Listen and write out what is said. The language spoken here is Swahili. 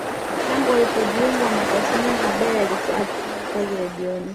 Tangu alipojiunga na tasnia ya habari alikuwa akifanya kazi redioni